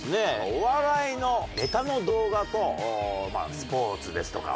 お笑いの「ネタの動画」とまあスポーツですとか